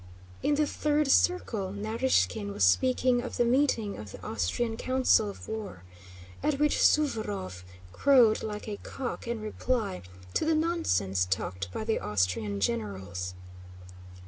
In the third circle, Narýshkin was speaking of the meeting of the Austrian Council of War at which Suvórov crowed like a cock in reply to the nonsense talked by the Austrian generals.